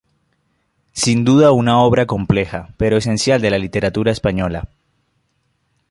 Sin duda una obra compleja, pero esencial de la literatura española.